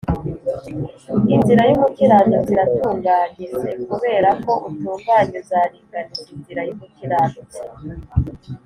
Inzira y umukiranutsi iratunganye s Kubera ko utunganye uzaringaniza inzira y umukiranutsi